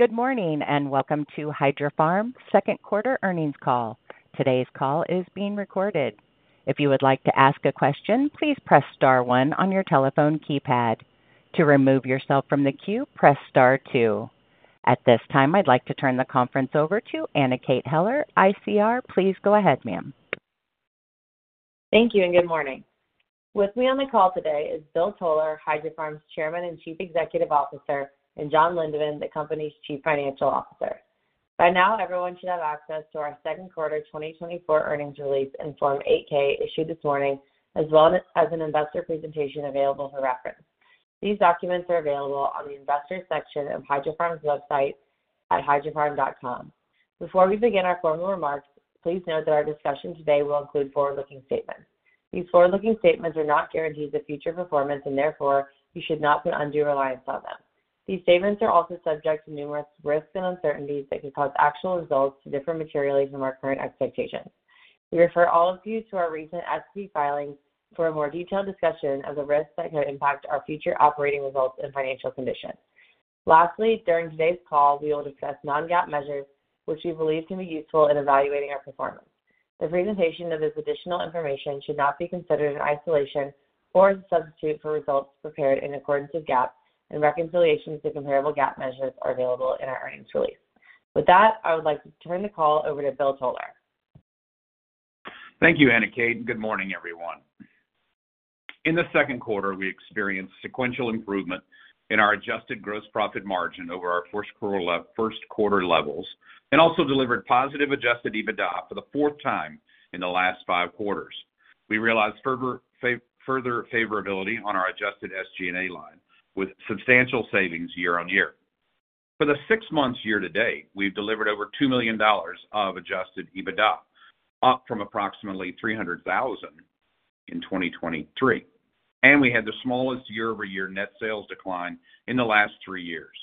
Good morning, and welcome to Hydrofarm's second quarter earnings call. Today's call is being recorded. If you would like to ask a question, please press star one on your telephone keypad. To remove yourself from the queue, press star two. At this time, I'd like to turn the conference over to Anna Kate Heller, ICR. Please go ahead, ma'am. Thank you, and good morning. With me on the call today is Bill Toler, Hydrofarm's Chairman and Chief Executive Officer, and John Lindenmuth, the company's Chief Financial Officer. By now, everyone should have access to our second quarter 2024 earnings release and Form 8-K issued this morning, as well as an investor presentation available for reference. These documents are available on the Investors section of Hydrofarm's website at hydrofarm.com. Before we begin our formal remarks, please note that our discussion today will include forward-looking statements. These forward-looking statements are not guarantees of future performance, and therefore, you should not put undue reliance on them. These statements are also subject to numerous risks and uncertainties that could cause actual results to differ materially from our current expectations. We refer all of you to our recent SEC filings for a more detailed discussion of the risks that could impact our future operating results and financial condition. Lastly, during today's call, we will discuss non-GAAP measures, which we believe can be useful in evaluating our performance. The presentation of this additional information should not be considered in isolation or as a substitute for results prepared in accordance with GAAP, and reconciliations to comparable GAAP measures are available in our earnings release. With that, I would like to turn the call over to Bill Toler. Thank you, Anna Kate. Good morning, everyone. In the second quarter, we experienced sequential improvement in our adjusted gross profit margin over our first quarter, first quarter levels, and also delivered positive adjusted EBITDA for the fourth time in the last five quarters. We realized further favorability on our adjusted SG&A line, with substantial savings year-on-year. For the six months year to date, we've delivered over $2 million of adjusted EBITDA, up from approximately $300,000 in 2023, and we had the smallest year-over-year net sales decline in the last three years.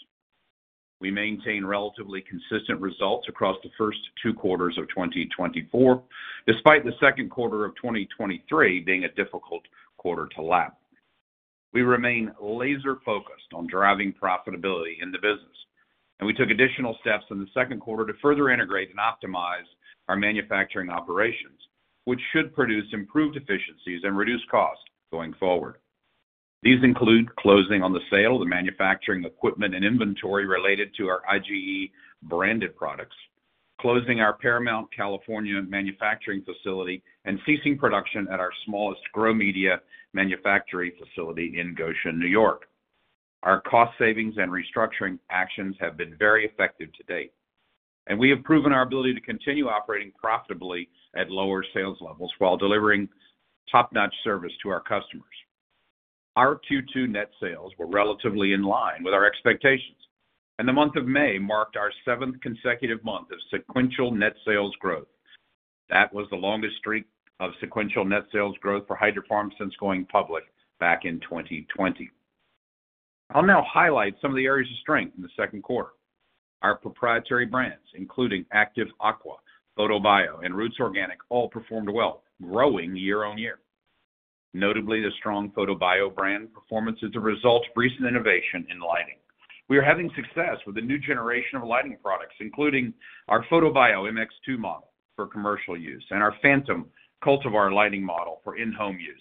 We maintained relatively consistent results across the first two quarters of 2024, despite the second quarter of 2023 being a difficult quarter to lap. We remain laser-focused on driving profitability in the business, and we took additional steps in the second quarter to further integrate and optimize our manufacturing operations, which should produce improved efficiencies and reduced costs going forward. These include closing on the sale of the manufacturing equipment and inventory related to our IGE branded products, closing our Paramount, California, manufacturing facility, and ceasing production at our smallest grow media manufacturing facility in Goshen, New York. Our cost savings and restructuring actions have been very effective to date, and we have proven our ability to continue operating profitably at lower sales levels while delivering top-notch service to our customers. Our Q2 net sales were relatively in line with our expectations, and the month of May marked our seventh consecutive month of sequential net sales growth. That was the longest streak of sequential net sales growth for Hydrofarm since going public back in 2020. I'll now highlight some of the areas of strength in the second quarter. Our proprietary brands, including Active Aqua, PhotoBIO, and Roots Organics, all performed well, growing year-over-year. Notably, the strong PhotoBIO brand performance is a result of recent innovation in lighting. We are having success with the new generation of lighting products, including our PhotoBIO MX2 model for commercial use and our Phantom Cultivar lighting model for in-home use,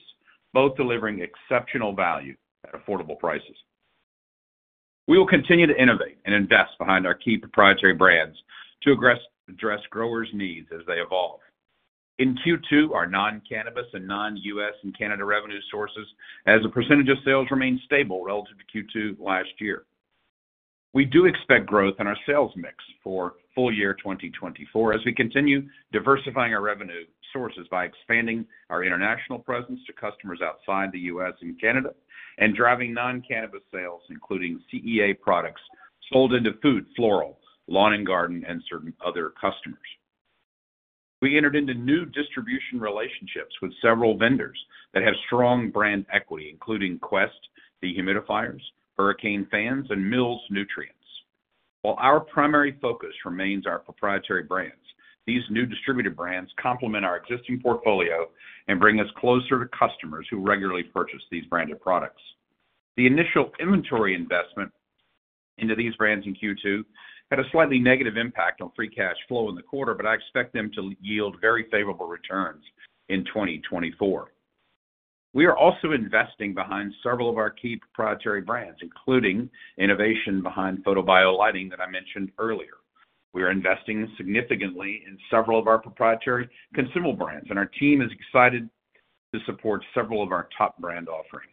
both delivering exceptional value at affordable prices. We will continue to innovate and invest behind our key proprietary brands to address growers' needs as they evolve. In Q2, our non-cannabis and non-US and Canada revenue sources as a percentage of sales remained stable relative to Q2 last year. We do expect growth in our sales mix for full year 2024 as we continue diversifying our revenue sources by expanding our international presence to customers outside the US and Canada, and driving non-cannabis sales, including CEA products sold into food, floral, lawn and garden, and certain other customers. We entered into new distribution relationships with several vendors that have strong brand equity, including Quest dehumidifiers, Hurricane fans, and Mills Nutrients. While our primary focus remains our proprietary brands, these new distributor brands complement our existing portfolio and bring us closer to customers who regularly purchase these branded products. The initial inventory investment into these brands in Q2 had a slightly negative impact on free cash flow in the quarter, but I expect them to yield very favorable returns in 2024. We are also investing behind several of our key proprietary brands, including innovation behind PhotoBIO lighting that I mentioned earlier. We are investing significantly in several of our proprietary consumable brands, and our team is excited to support several of our top brand offerings.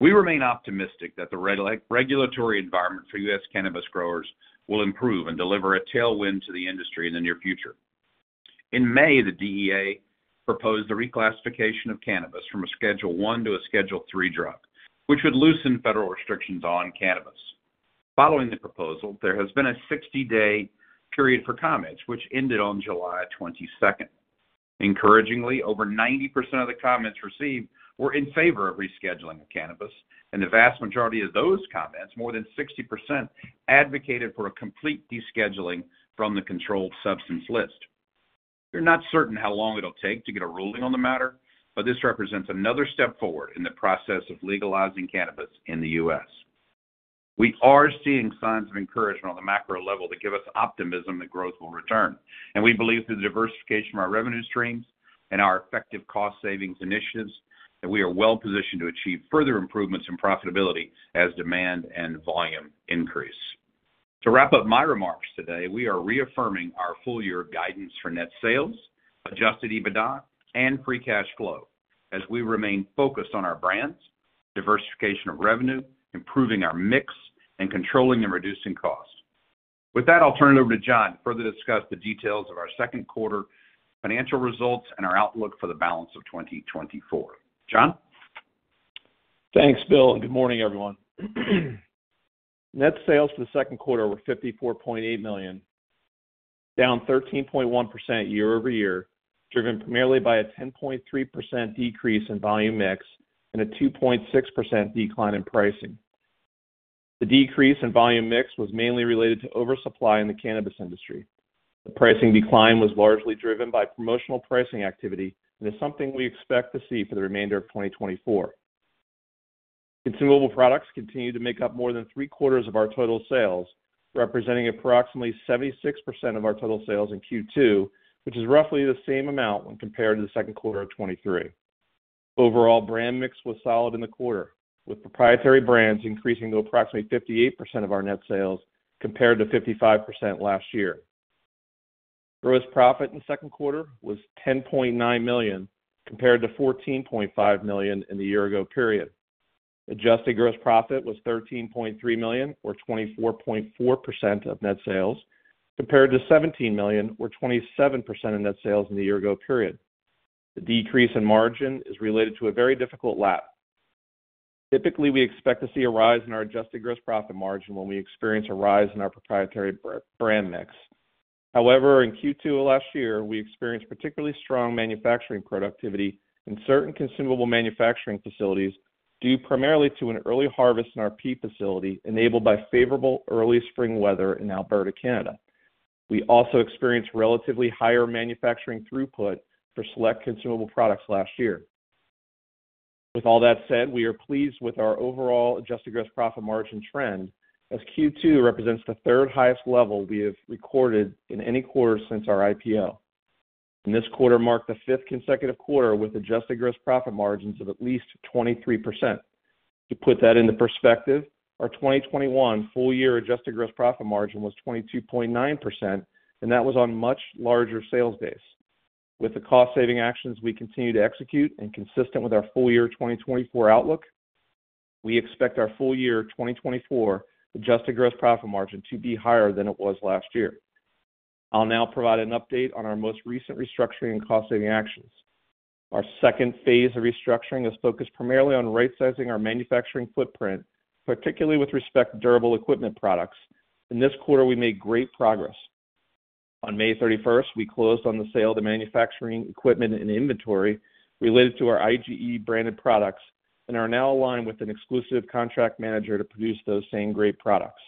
We remain optimistic that the regulatory environment for U.S. cannabis growers will improve and deliver a tailwind to the industry in the near future. In May, the DEA proposed the reclassification of cannabis from a Schedule One to a Schedule Three drug, which would loosen federal restrictions on cannabis. Following the proposal, there has been a 60-day period for comments, which ended on July twenty-second. Encouragingly, over 90% of the comments received were in favor of rescheduling cannabis, and the vast majority of those comments, more than 60%, advocated for a complete descheduling from the controlled substance list.... We're not certain how long it'll take to get a ruling on the matter, but this represents another step forward in the process of legalizing cannabis in the U.S. We are seeing signs of encouragement on the macro level that give us optimism that growth will return, and we believe through the diversification of our revenue streams and our effective cost savings initiatives, that we are well positioned to achieve further improvements in profitability as demand and volume increase. To wrap up my remarks today, we are reaffirming our full year guidance for net sales, Adjusted EBITDA, and free cash flow as we remain focused on our brands, diversification of revenue, improving our mix, and controlling and reducing costs. With that, I'll turn it over to John to further discuss the details of our second quarter financial results and our outlook for the balance of 2024. John? Thanks, Bill, and good morning, everyone. Net sales for the second quarter were $54.8 million, down 13.1% year-over-year, driven primarily by a 10.3% decrease in volume mix and a 2.6% decline in pricing. The decrease in volume mix was mainly related to oversupply in the cannabis industry. The pricing decline was largely driven by promotional pricing activity, and is something we expect to see for the remainder of 2024. Consumable products continue to make up more than three-quarters of our total sales, representing approximately 76% of our total sales in Q2, which is roughly the same amount when compared to the second quarter of 2023. Overall, brand mix was solid in the quarter, with proprietary brands increasing to approximately 58% of our net sales, compared to 55% last year. Gross profit in the second quarter was $10.9 million, compared to $14.5 million in the year ago period. Adjusted gross profit was $13.3 million, or 24.4% of net sales, compared to $17 million, or 27% of net sales in the year ago period. The decrease in margin is related to a very difficult lap. Typically, we expect to see a rise in our adjusted gross profit margin when we experience a rise in our proprietary brand mix. However, in Q2 of last year, we experienced particularly strong manufacturing productivity in certain consumable manufacturing facilities, due primarily to an early harvest in our peat facility, enabled by favorable early spring weather in Alberta, Canada. We also experienced relatively higher manufacturing throughput for select consumable products last year. With all that said, we are pleased with our overall adjusted gross profit margin trend, as Q2 represents the third highest level we have recorded in any quarter since our IPO, and this quarter marked the fifth consecutive quarter with adjusted gross profit margins of at least 23%. To put that into perspective, our 2021 full year adjusted gross profit margin was 22.9%, and that was on much larger sales base. With the cost-saving actions we continue to execute, and consistent with our full year 2024 outlook, we expect our full year 2024 adjusted gross profit margin to be higher than it was last year. I'll now provide an update on our most recent restructuring and cost-saving actions. Our second phase of restructuring is focused primarily on right sizing our manufacturing footprint, particularly with respect to durable equipment products. In this quarter, we made great progress. On May 31, we closed on the sale of the manufacturing equipment and inventory related to our IGE branded products, and are now aligned with an exclusive contract manager to produce those same great products.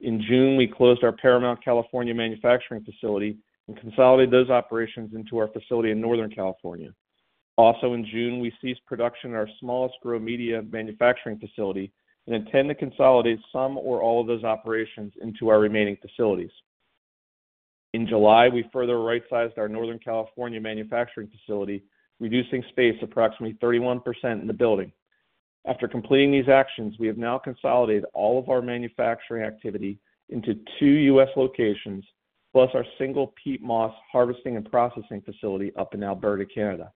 In June, we closed our Paramount, California manufacturing facility and consolidated those operations into our facility in Northern California. Also, in June, we ceased production in our smallest grow media manufacturing facility and intend to consolidate some or all of those operations into our remaining facilities. In July, we further right-sized our Northern California manufacturing facility, reducing space approximately 31% in the building. After completing these actions, we have now consolidated all of our manufacturing activity into 2 U.S. locations, plus our single peat moss harvesting and processing facility up in Alberta, Canada.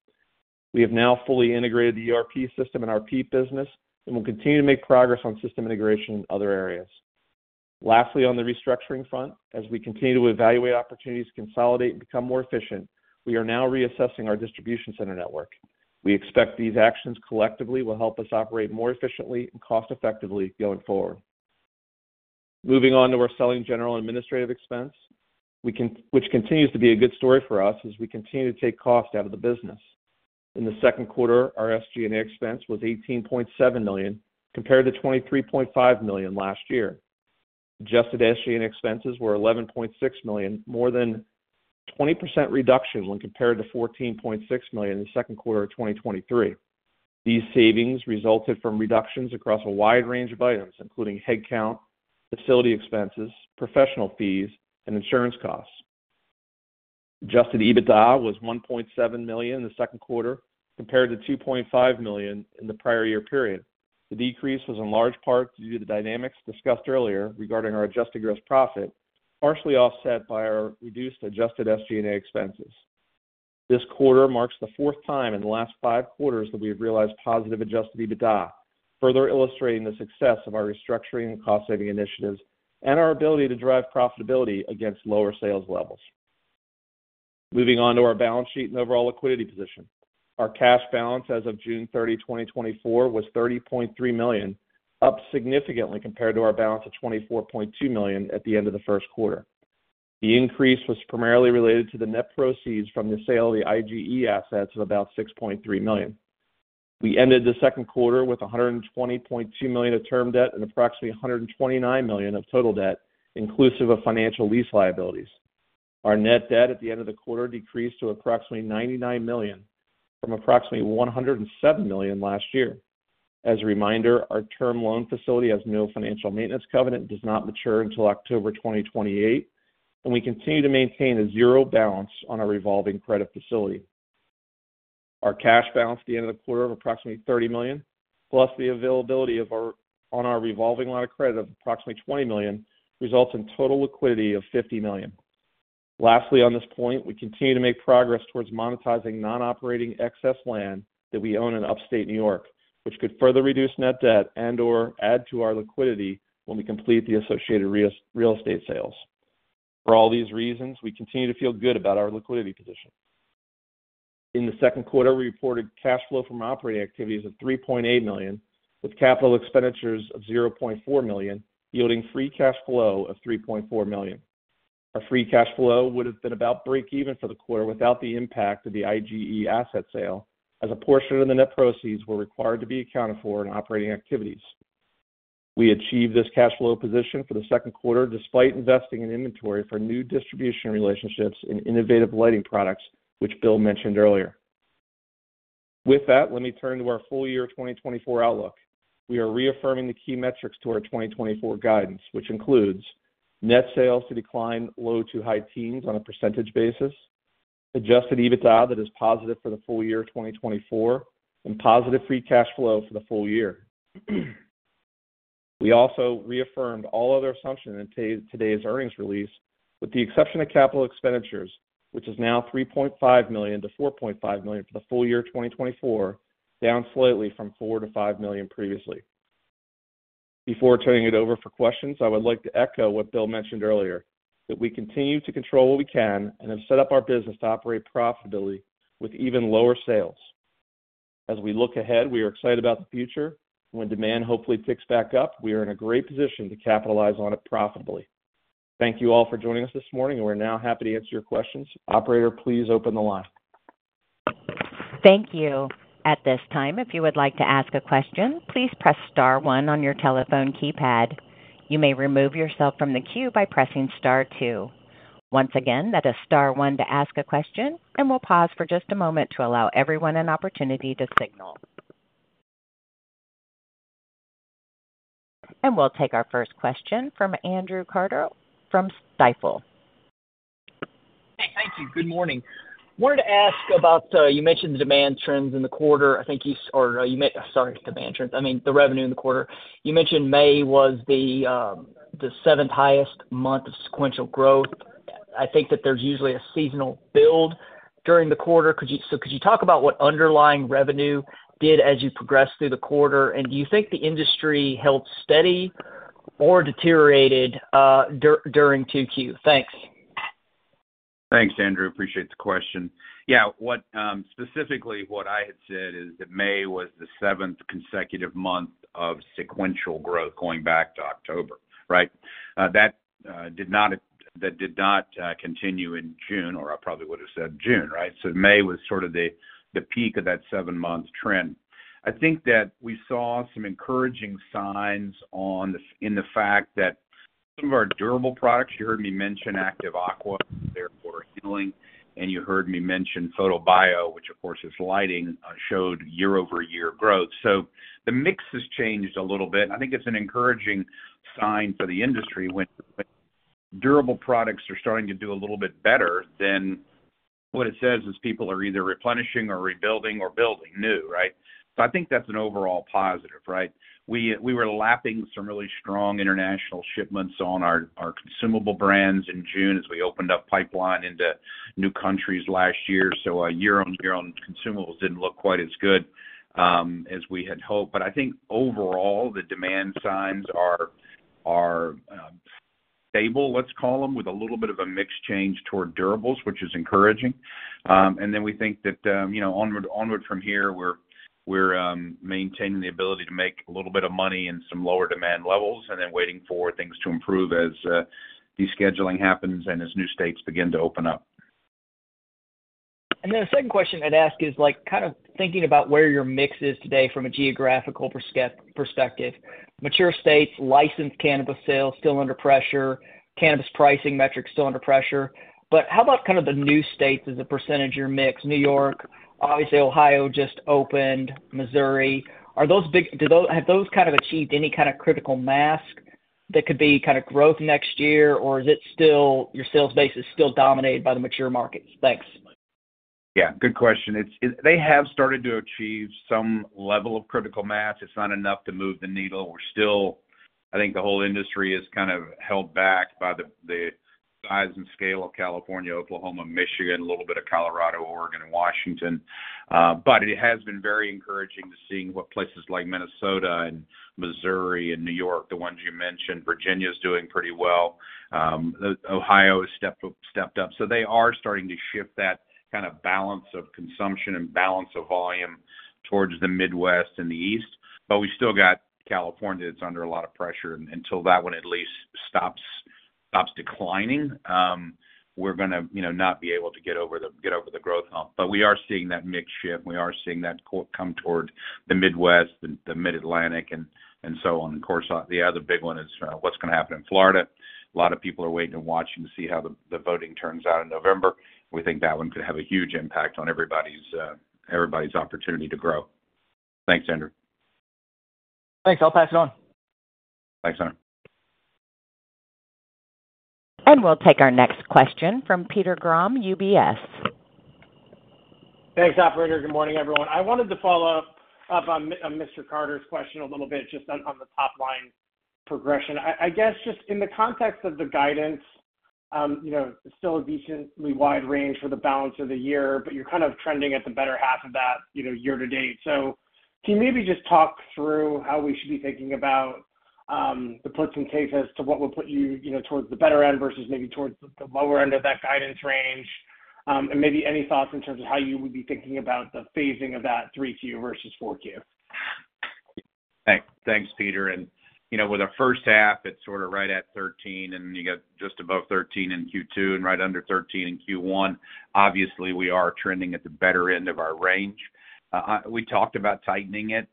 We have now fully integrated the ERP system in our peat business, and we'll continue to make progress on system integration in other areas. Lastly, on the restructuring front, as we continue to evaluate opportunities to consolidate and become more efficient, we are now reassessing our distribution center network. We expect these actions collectively will help us operate more efficiently and cost-effectively going forward. Moving on to our selling general administrative expense, which continues to be a good story for us as we continue to take cost out of the business. In the second quarter, our SG&A expense was $18.7 million, compared to $23.5 million last year. Adjusted SG&A expenses were $11.6 million, more than 20% reduction when compared to $14.6 million in the second quarter of 2023. These savings resulted from reductions across a wide range of items, including headcount, facility expenses, professional fees, and insurance costs. Adjusted EBITDA was $1.7 million in the second quarter, compared to $2.5 million in the prior year period. The decrease was in large part due to the dynamics discussed earlier regarding our adjusted gross profit, partially offset by our reduced adjusted SG&A expenses. This quarter marks the fourth time in the last five quarters that we have realized positive adjusted EBITDA, further illustrating the success of our restructuring and cost-saving initiatives, and our ability to drive profitability against lower sales levels. Moving on to our balance sheet and overall liquidity position. Our cash balance as of June 30, 2024, was $30.3 million, up significantly compared to our balance of $24.2 million at the end of the first quarter. The increase was primarily related to the net proceeds from the sale of the IGE assets of about $6.3 million. We ended the second quarter with $120.2 million of term debt and approximately $129 million of total debt, inclusive of financial lease liabilities. Our net debt at the end of the quarter decreased to approximately $99 million, from approximately $107 million last year. As a reminder, our term loan facility has no financial maintenance covenant, does not mature until October 2028, and we continue to maintain a zero balance on our revolving credit facility. Our cash balance at the end of the quarter of approximately $30 million, plus the availability of our on our revolving line of credit of approximately $20 million, results in total liquidity of $50 million. Lastly, on this point, we continue to make progress towards monetizing non-operating excess land that we own in upstate New York, which could further reduce net debt and/or add to our liquidity when we complete the associated real estate sales. For all these reasons, we continue to feel good about our liquidity position. In the second quarter, we reported cash flow from operating activities of $3.8 million, with capital expenditures of $0.4 million, yielding free cash flow of $3.4 million. Our free cash flow would have been about break even for the quarter without the impact of the IGE asset sale, as a portion of the net proceeds were required to be accounted for in operating activities. We achieved this cash flow position for the second quarter, despite investing in inventory for new distribution relationships in innovative lighting products, which Bill mentioned earlier. With that, let me turn to our full year 2024 outlook. We are reaffirming the key metrics to our 2024 guidance, which includes: net sales to decline low- to high-teens% on a percentage basis, adjusted EBITDA that is positive for the full year 2024, and positive free cash flow for the full year. We also reaffirmed all other assumptions in today's earnings release, with the exception of capital expenditures, which is now $3.5 million-$4.5 million for the full year 2024, down slightly from $4 million-$5 million previously. Before turning it over for questions, I would like to echo what Bill mentioned earlier, that we continue to control what we can and have set up our business to operate profitably with even lower sales. As we look ahead, we are excited about the future. When demand hopefully picks back up, we are in a great position to capitalize on it profitably. Thank you all for joining us this morning, and we're now happy to answer your questions. Operator, please open the line. Thank you. At this time, if you would like to ask a question, please press star one on your telephone keypad. You may remove yourself from the queue by pressing star two. Once again, that is star one to ask a question, and we'll pause for just a moment to allow everyone an opportunity to signal. We'll take our first question from Andrew Carter from Stifel. Hey, thank you. Good morning. Wanted to ask about you mentioned the demand trends in the quarter. I think or you mentioned, sorry, demand trends, I mean, the revenue in the quarter. You mentioned May was the, the seventh highest month of sequential growth. I think that there's usually a seasonal build during the quarter. Could you so could you talk about what underlying revenue did as you progressed through the quarter? And do you think the industry held steady or deteriorated during two Q? Thanks. Thanks, Andrew. Appreciate the question. Yeah, specifically what I had said is that May was the seventh consecutive month of sequential growth going back to October, right? That did not continue in June, or I probably would have said June, right? So May was sort of the peak of that seven-month trend. I think that we saw some encouraging signs in the fact that some of our durable products, you heard me mention Active Aqua, for cooling, and you heard me mention PhotoBIO, which of course is lighting, showed year-over-year growth. So the mix has changed a little bit. I think it's an encouraging sign for the industry when durable products are starting to do a little bit better, then what it says is people are either replenishing or rebuilding or building new, right? So I think that's an overall positive, right? We were lapping some really strong international shipments on our consumable brands in June as we opened up pipeline into new countries last year. So our year-on-year on consumables didn't look quite as good, as we had hoped. But I think overall, the demand signs are stable, let's call them, with a little bit of a mix change toward durables, which is encouraging. And then we think that, you know, onward from here, we're maintaining the ability to make a little bit of money in some lower demand levels and then waiting for things to improve as descheduling happens and as new states begin to open up. And then the second question I'd ask is, like, kind of thinking about where your mix is today from a geographical perspective. Mature states, licensed cannabis sales still under pressure, cannabis pricing metrics still under pressure. But how about kind of the new states as a percentage of your mix? New York, obviously, Ohio just opened, Missouri. Are those big, do those have kind of achieved any kind of critical mass that could be kind of growth next year? Or is it still, your sales base is still dominated by the mature markets? Thanks. Yeah, good question. They have started to achieve some level of critical mass. It's not enough to move the needle. We're still, I think, the whole industry is kind of held back by the size and scale of California, Oklahoma, Michigan, a little bit of Colorado, Oregon, and Washington. But it has been very encouraging to seeing what places like Minnesota and Missouri and New York, the ones you mentioned. Virginia is doing pretty well. The Ohio has stepped up. So they are starting to shift that kind of balance of consumption and balance of volume towards the Midwest and the East, but we still got California that's under a lot of pressure. Until that one at least stops. ...stops declining, we're gonna, you know, not be able to get over the growth hump. But we are seeing that mix shift. We are seeing that come toward the Midwest, the Mid-Atlantic, and so on. Of course, the other big one is what's gonna happen in Florida. A lot of people are waiting and watching to see how the voting turns out in November. We think that one could have a huge impact on everybody's opportunity to grow. Thanks, Andrew. Thanks, I'll pass it on. Thanks, sir. We'll take our next question from Peter Grom, UBS. Thanks, operator. Good morning, everyone. I wanted to follow up on Mr. Carter's question a little bit, just on the top line progression. I guess, just in the context of the guidance, you know, still a decently wide range for the balance of the year, but you're kind of trending at the better half of that, you know, year to date. So can you maybe just talk through how we should be thinking about the puts and takes as to what will put you, you know, towards the better end versus maybe towards the lower end of that guidance range? And maybe any thoughts in terms of how you would be thinking about the phasing of that 3Q versus 4Q? Thanks. Thanks, Peter. You know, with our first half, it's sort of right at 13, and you got just above 13 in Q2 and right under 13 in Q1. Obviously, we are trending at the better end of our range. We talked about tightening it,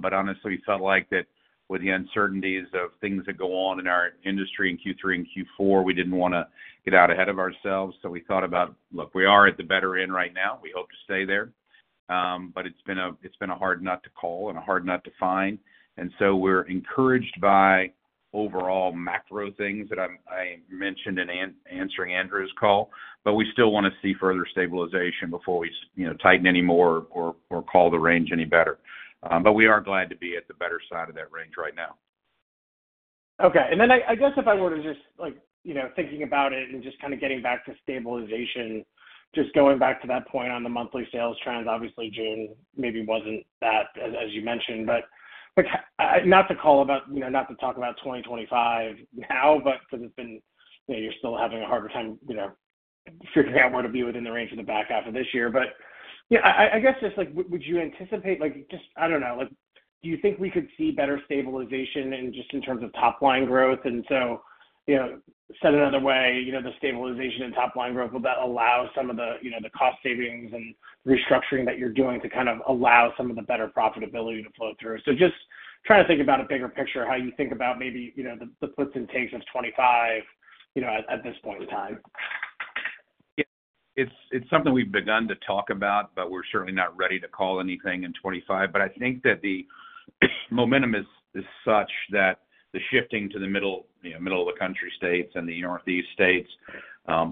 but honestly, we felt like that with the uncertainties of things that go on in our industry in Q3 and Q4, we didn't wanna get out ahead of ourselves, so we thought about... Look, we are at the better end right now. We hope to stay there. But it's been a hard nut to call and a hard nut to find. So we're encouraged by overall macro things that I mentioned in answering Andrew's call, but we still wanna see further stabilization before we, you know, tighten any more or call the range any better. But we are glad to be at the better side of that range right now. Okay. And then I, I guess if I were to just, like, you know, thinking about it and just kind of getting back to stabilization, just going back to that point on the monthly sales trends, obviously, June maybe wasn't that, as, as you mentioned. But, but, not to call about, you know, not to talk about 2025 now, but because it's been... You know, you're still having a harder time, you know, figuring out where to be within the range for the back half of this year. But, yeah, I, I, I guess just like, would, would you anticipate, like, just, I don't know, like, do you think we could see better stabilization in just in terms of top-line growth? And so, you know, said another way, you know, the stabilization in top-line growth, will that allow some of the, you know, the cost savings and restructuring that you're doing to kind of allow some of the better profitability to flow through? So just trying to think about a bigger picture, how you think about maybe, you know, the puts and takes of 2025, you know, at this point in time. It's something we've begun to talk about, but we're certainly not ready to call anything in 2025. But I think that the momentum is such that the shifting to the middle, you know, middle of the country states and the Northeast states,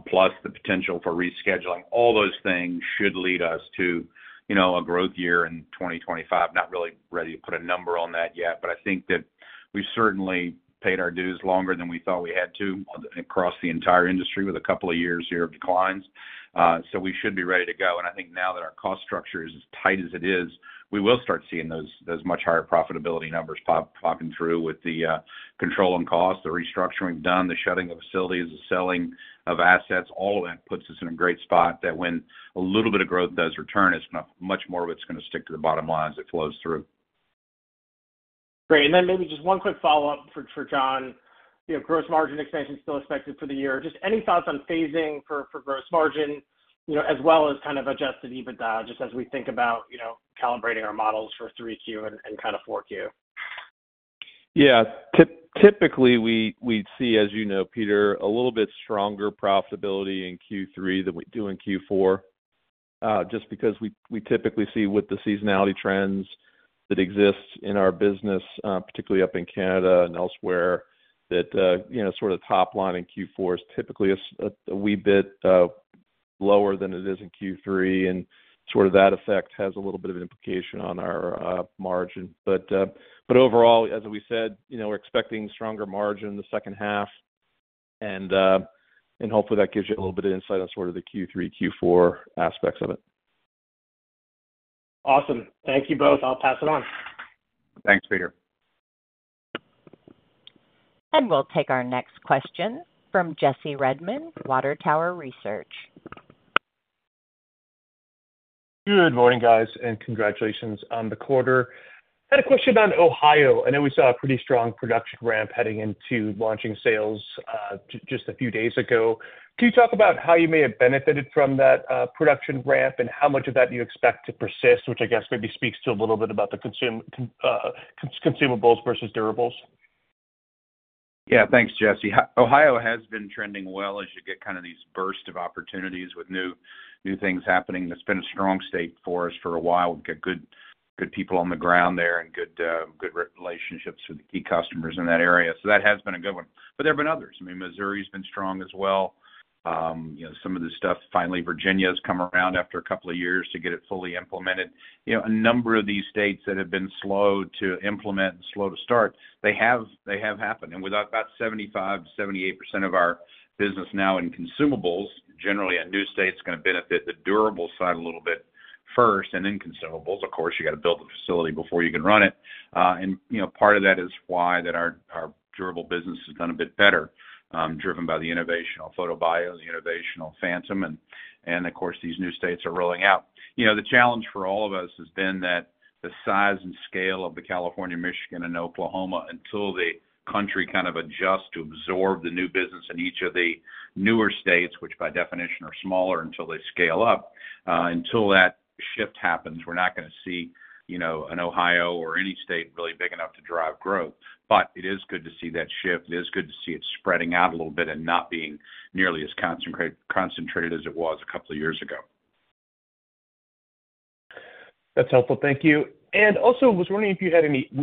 plus the potential for rescheduling, all those things should lead us to, you know, a growth year in 2025. Not really ready to put a number on that yet, but I think that we've certainly paid our dues longer than we thought we had to across the entire industry with a couple of years here of declines. So we should be ready to go. I think now that our cost structure is as tight as it is, we will start seeing those much higher profitability numbers popping through with the control on cost, the restructuring done, the shutting of facilities, the selling of assets. All of that puts us in a great spot that when a little bit of growth does return, it's gonna much more of it's gonna stick to the bottom line as it flows through. Great. And then maybe just one quick follow-up for, for John. You know, gross margin expansion still expected for the year. Just any thoughts on phasing for, for gross margin, you know, as well as kind of adjusted EBITDA, just as we think about, you know, calibrating our models for 3Q and 4Q? Yeah. Typically, we see, as you know, Peter, a little bit stronger profitability in Q3 than we do in Q4, just because we typically see with the seasonality trends that exist in our business, particularly up in Canada and elsewhere, that, you know, sort of top line in Q4 is typically a wee bit lower than it is in Q3, and sort of that effect has a little bit of implication on our margin. But, but overall, as we said, you know, we're expecting stronger margin in the second half, and, and hopefully, that gives you a little bit of insight on sort of the Q3, Q4 aspects of it. Awesome. Thank you both. I'll pass it on. Thanks, Peter. We'll take our next question from Jesse Redmond, Water Tower Research. Good morning, guys, and congratulations on the quarter. I had a question on Ohio. I know we saw a pretty strong production ramp heading into launching sales, just a few days ago. Can you talk about how you may have benefited from that production ramp and how much of that do you expect to persist, which I guess maybe speaks to a little bit about the consumables versus durables? Yeah. Thanks, Jesse. Ohio has been trending well as you get kind of these burst of opportunities with new, new things happening. It's been a strong state for us for a while. We've got good, good people on the ground there and good relationships with the key customers in that area. So that has been a good one, but there have been others. I mean, Missouri's been strong as well. You know, some of the stuff, finally, Virginia has come around after a couple of years to get it fully implemented. You know, a number of these states that have been slow to implement and slow to start, they have, they have happened. And with about 75%-78% of our business now in consumables, generally a new state's gonna benefit the durable side a little bit first and then consumables. Of course, you gotta build the facility before you can run it. And, you know, part of that is why our durable business has done a bit better, driven by the innovational PhotoBIO, the innovational Phantom, and of course, these new states are rolling out. You know, the challenge for all of us has been that the size and scale of California, Michigan, and Oklahoma, until the country kind of adjusts to absorb the new business in each of the newer states, which by definition are smaller until they scale up, until that shift happens, we're not gonna see, you know, an Ohio or any state really big enough to drive growth. But it is good to see that shift. It is good to see it spreading out a little bit and not being nearly as concentrated as it was a couple of years ago. That's helpful. Thank you. And also, I was wondering.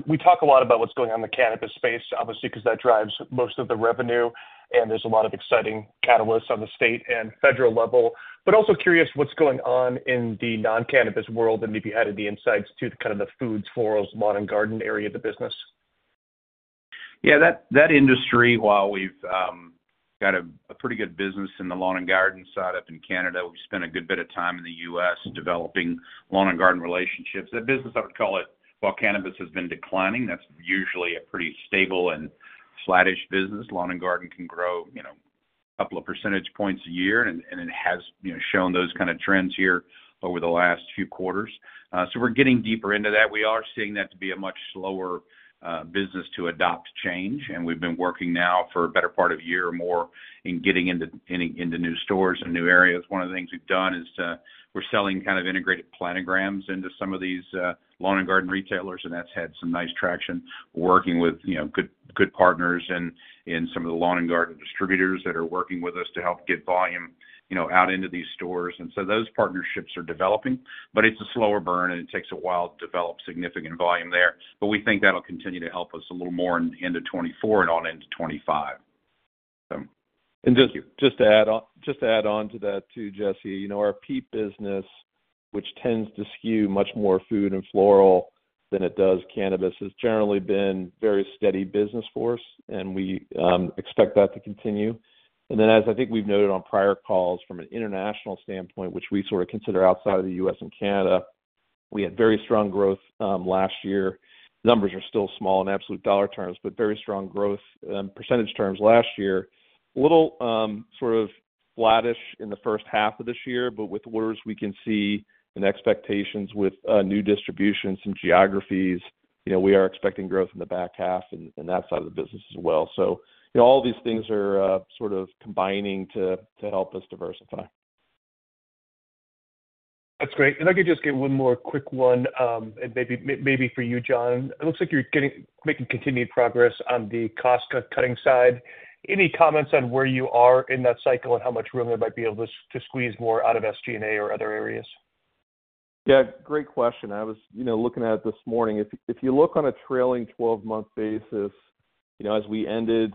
We talk a lot about what's going on in the cannabis space, obviously, because that drives most of the revenue, and there's a lot of exciting catalysts on the state and federal level. But also curious what's going on in the non-cannabis world, and maybe you added the insights to kind of the foods, florals, lawn, and garden area of the business. Yeah, that industry, while we've got a pretty good business in the lawn and garden side up in Canada, we've spent a good bit of time in the US developing lawn and garden relationships. That business, I would call it, while cannabis has been declining, that's usually a pretty stable and flattish business. Lawn and garden can grow, you know, a couple of percentage points a year, and it has, you know, shown those kind of trends here over the last few quarters. So we're getting deeper into that. We are seeing that to be a much slower business to adopt change, and we've been working now for a better part of a year or more in getting into new stores and new areas. One of the things we've done is, we're selling kind of integrated planograms into some of these, lawn and garden retailers, and that's had some nice traction. We're working with, you know, good, good partners in, in some of the lawn and garden distributors that are working with us to help get volume, you know, out into these stores. And so those partnerships are developing, but it's a slower burn, and it takes a while to develop significant volume there. But we think that'll continue to help us a little more in the end of 2024 and on into 2025, so. Just to add on to that, too, Jesse, you know, our peat business, which tends to skew much more food and floral than it does cannabis, has generally been very steady business for us, and we expect that to continue. Then, as I think we've noted on prior calls, from an international standpoint, which we sort of consider outside of the U.S. and Canada, we had very strong growth last year. Numbers are still small in absolute dollar terms, but very strong growth percentage terms last year. A little sort of flattish in the first half of this year, but with orders we can see and expectations with new distribution, some geographies, you know, we are expecting growth in the back half in that side of the business as well. You know, all these things are sort of combining to help us diversify. That's great. If I could just get one more quick one, and maybe for you, John. It looks like you're making continued progress on the cost cutting side. Any comments on where you are in that cycle and how much room there might be able to squeeze more out of SG&A or other areas? Yeah, great question. I was, you know, looking at it this morning. If you look on a trailing twelve-month basis, you know, as we ended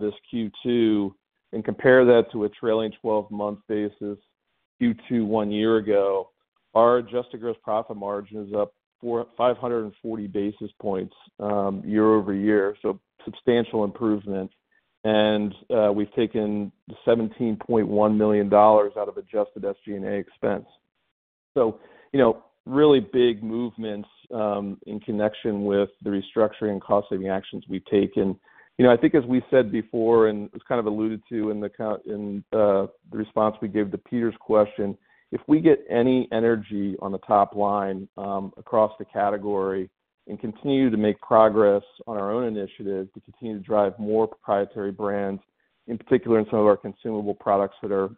this Q2, and compare that to a trailing twelve-month basis, Q2 one year ago, our adjusted gross profit margin is up 540 basis points year-over-year, so substantial improvement. And we've taken $17.1 million out of adjusted SG&A expense. So, you know, really big movements in connection with the restructuring and cost-saving actions we've taken. You know, I think as we said before, and it was kind of alluded to in the response we gave to Peter's question, if we get any energy on the top line, across the category and continue to make progress on our own initiatives to continue to drive more proprietary brands, in particular in some of our consumable products that are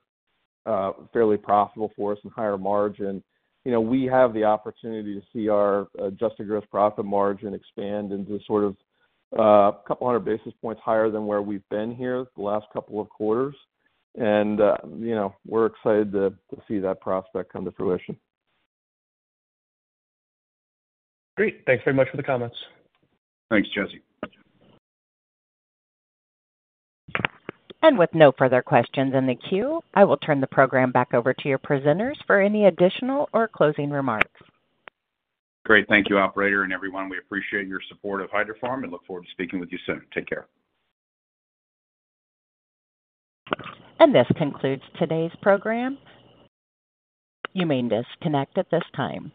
fairly profitable for us and higher margin, you know, we have the opportunity to see our adjusted gross profit margin expand into sort of a couple hundred basis points higher than where we've been here the last couple of quarters. And you know, we're excited to see that prospect come to fruition. Great. Thanks very much for the comments. Thanks, Jesse. With no further questions in the queue, I will turn the program back over to your presenters for any additional or closing remarks. Great. Thank you, operator and everyone. We appreciate your support of Hydrofarm and look forward to speaking with you soon. Take care. This concludes today's program. You may disconnect at this time.